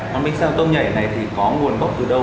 món bánh xèo tôm nhảy này thì có nguồn gốc từ đâu